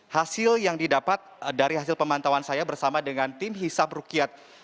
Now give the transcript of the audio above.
hasil yang didapat dari hasil pemantauan saya bersama dengan tim hisab rukyat